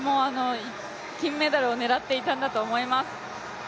金メダルを狙っていたんだと思います。